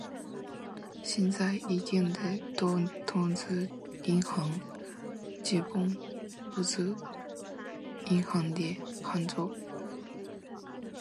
现代意义的投资银行基本不属于银行的范畴，而是种专业证券机构。